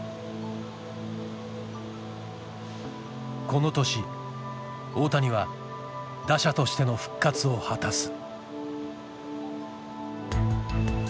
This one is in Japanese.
この年大谷は打者としての復活を果たす。